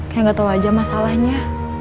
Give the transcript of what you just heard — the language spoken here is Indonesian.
kayak gak tau aja masalahnya